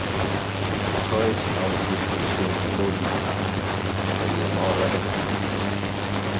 The choice now stood between Ulrika Eleonora and her nephew.